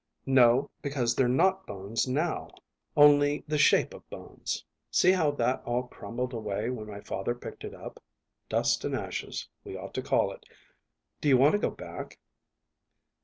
"No; because they're not bones now, only the shape of bones. See how that all crumbled away when my father picked it up. Dust and ashes, we ought to call it. Do you want to go back?"